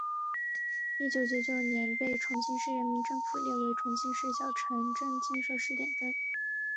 一九九九年被重庆市人民政府列为重庆市小城镇建设试点镇。